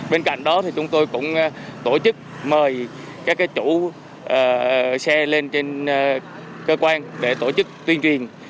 bên cạnh đó thì chúng tôi cũng tổ chức mời các chủ xe lên trên cơ quan để tổ chức tuyên truyền